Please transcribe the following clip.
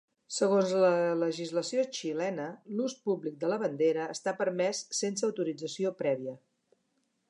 Segons la legislació xilena, l'ús públic de la bandera està permès sense autorització prèvia.